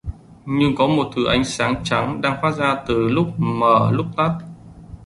Nhưng có một thứ ánh sáng trắng đang phát ra lúc mờ lúc tắt